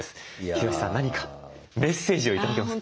ヒロシさん何かメッセージを頂けますか？